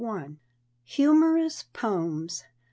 HUMOROUS POEMS.